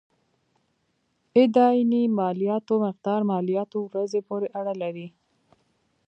اداينې مالياتو مقدار مالياتو ورځې پورې اړه لري.